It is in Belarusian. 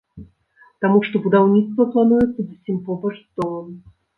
Таму што будаўніцтва плануецца зусім побач з домам.